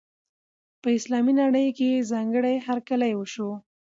په اسلامي نړۍ کې یې ځانګړی هرکلی وشو.